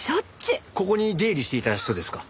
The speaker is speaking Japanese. ここに出入りしていた人ですか？